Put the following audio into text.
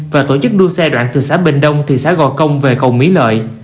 và tổ chức đua xe đoạn từ xã bình đông thị xã gò công về cầu mỹ lợi